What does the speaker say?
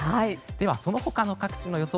では、その他の各地の予想